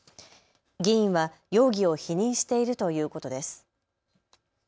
議員は容疑を否認しているということです。